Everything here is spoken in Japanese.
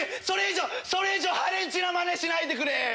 それ以上それ以上破廉恥なまねしないでくれ。